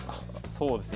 そうですね。